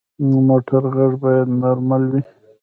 د موټر غږ باید نارمل وي.